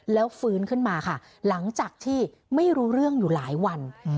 แล้วฟื้นขึ้นมาค่ะหลังจากที่ไม่รู้เรื่องอยู่หลายวัน